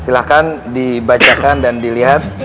silahkan dibacakan dan dilihat